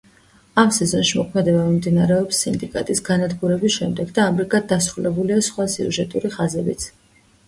ამ სეზონში მოქმედება მიმდინარეობს სინდიკატის განადგურების შემდეგ და, ამრიგად, დასრულებულია სხვა სიუჟეტური ხაზებიც.